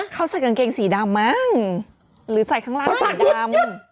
เขาใส่กางเกงสีดำมั้งหรือใส่ข้างล่างสีดำ